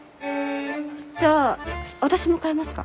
じゃあ私も買えますか？